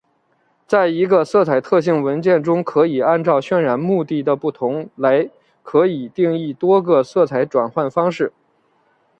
在一个色彩特性文件中可以按照渲染目的的不同来可以定义多个色彩转换方式。